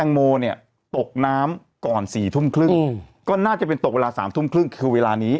แตงโมเนี่ยตกน้ำก่อน๔๓๐นก็น่าจะเป็นตกเวลา๓๓๐คือเวลานี้